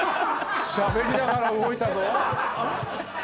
しゃべりながら動いたぞ。